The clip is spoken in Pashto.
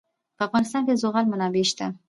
په افغانستان کې د زغال منابع شته.